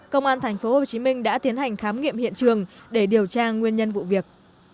công an tp hcm đã tiến hành khám nghiệm hiện trường để điều tra nguyên nhân vụ việc